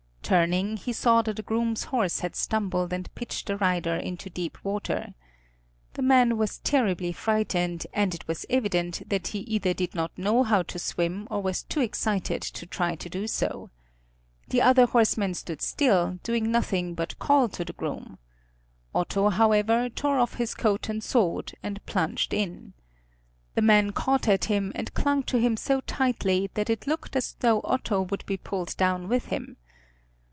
Turning he saw that a groom's horse had stumbled and pitched the rider into deep water. The man was terribly frightened, and it was evident that he either did not know how to swim or was too excited to try to do so. The other horsemen stood still, doing nothing but call to the groom. Otto, however, tore off his coat and sword, and plunged in. The man caught at him, and clung to him so tightly that it looked as though Otto would be pulled down with him.